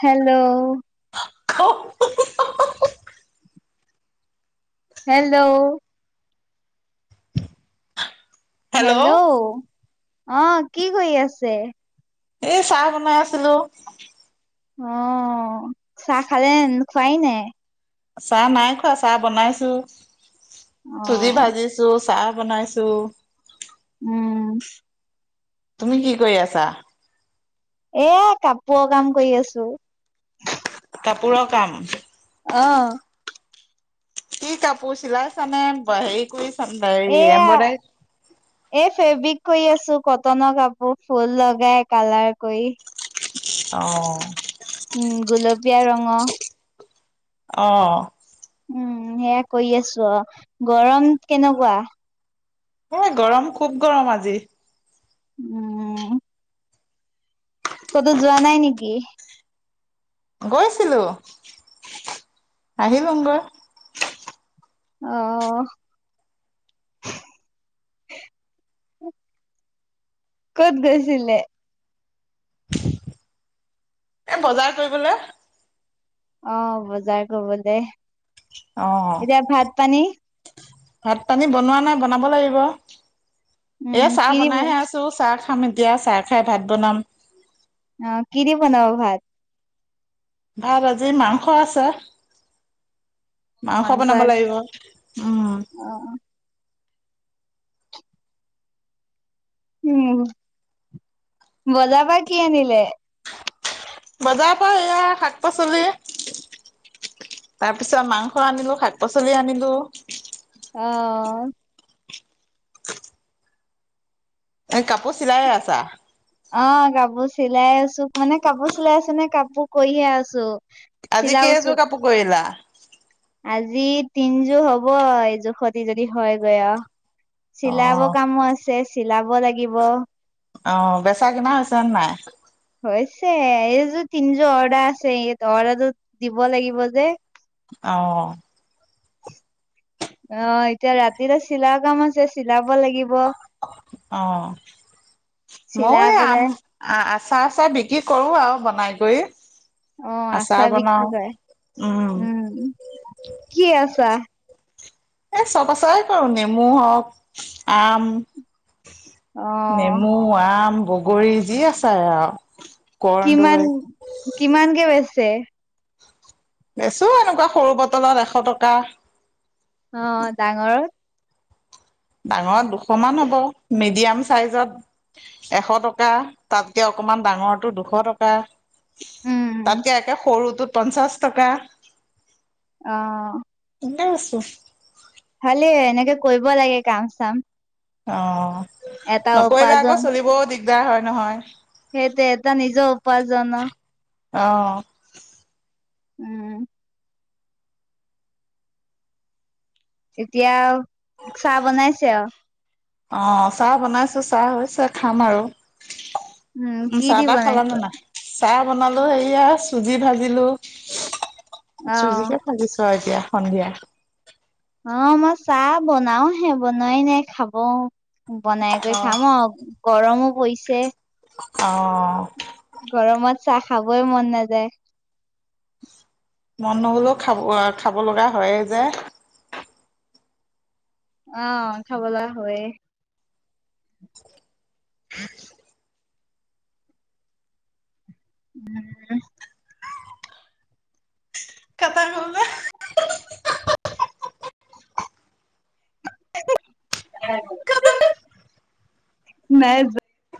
Hello ক উ উ হেল্ল' হেল্ল' অ কি কৰি আছে এ চাহ বনাই আছিলো অ চাহ খালে খুৱাই নাই চাহ নাই খোৱা চাহ বনাইছো অ চুজি ভাজিছো চাহ বনাইছো উম তুমি কি কৰি আছা এ কাপোৰৰ কাম কৰি আছো কাপোৰৰ কাম অ কি কাপোৰ চিলাইছানে হেৰি কৰি উাই এয়া এমব্ৰইডাৰী এই ফেব্ৰিক কৰি আছো কটনৰ কাপোৰ ফুল লগাই কালাৰ কৰি অ উম গোলপীয়া ৰঙ আহ উম সেয়া কৰি আছো অ গৰম কেনেকুৱা অ গৰম খুব গৰম আজি উম ক'তো যোৱা নাই নেকি গৈছিলো আহিলো গৈ আহ ক'ত গৈছিলে এ বজাৰ কৰিবলে অ বজাৰ কৰিব দে অ এতিয়া ভাত পানী ভাত পানী বনোৱা নাই বনাব লাগিব এ উম চাহ কি দি বনাইহে অ আছো চাহ খাম এতিয়া চাহ খাই ভাত বনাম অ কিদি বনাব ভাত ভাত আজি মাংস আছে মাংস বনাব লাগিব উম অ উম বজাৰপা কি আনিলে বজাৰ পৰা এইয়া শাক পাচলি তাৰপিছত মাংস আনিলো শাক পাচলি আনিলো আহ এ কাপোৰ চিলাইে আছা অ কাপোৰ চিলাই আছো মানে কাপোৰ চিলাই আছো নে কাপোৰ কৰিয়ে আছো আজি চিলাবচোন কেইযোৰ কাপোৰ কৰিলা আজি তিনযো হব এইযো খতে যদি হয়গৈ অ অ চিলাব কামো আছে চিলাব লাগিব। অ বেচা কিনা হৈছে নাই হৈছে এইযোৰ তিনিযোৰ অৰ্ডাৰ আছে, ইয়াত অৰ্ডাৰটো দিব লাগিব যে অ অ এতিয়া ৰাতিৰে চিলা কাম আছে চিলা অ মই চিলাই এই আম পেলাই আ চাৰ চাহ বিক্ৰী কৰো আৰু বনাই কৰি অ আচাৰ আছা বনাও বিক্ৰী কৰে, উম উম কি আছা? এ চব আচৰে কৰো নেমু আৰু আম অ নেমু, আম বগৰী যি আছে আৰু কিমান কৰ্দৈ কিমানকে বেচে বেচো এনেকুৱা সৰু বটলত এশ টকা। অ ডাঙৰ ডাঙৰত দুশমান হ'ব মিডিয়াম চাইজত এশ টকা তাতকৈ অকণমান ডাঙৰটো দুশ টকা। উম তাতকে একে সৰু তোৰ পঞ্চাছ টকা। আহ এনে আছো। খালি এনেকে কৰিব লাগে কাম চাম। অ এটা নকৰিলে উপাৰ্জন আকৌ চলিবও দিক দিগদাৰ হয় নহয়। সেইটো এটা নিজৰ উপাৰ্জন ন আহ উম এতিয়া চাহ বনাইছে আৰু অ চাহ বনাইছো চাহ হৈছে খাম আৰু উম কি চাহ দি তাহ খালানে বনাইছে। নাই চাহ বনালো সেয়া চুজি ভাজিলো। অ চুজিকে ভাগিছো আৰু এতিয়া সন্ধিয়া। অ মই চাহ বনাও হে বনোৱাই নে খাব বনাই কৰি অ খাম আৰু গৰমো পৰিছে। অ গৰমত চাহ খাবই মন নাযায়। মন নহ'লেও খাব খাব লগা হয়ে যে, অ খাব লাগা হৈয়ে। উম [inaudible] কাটা গ'ল যে [inaudible]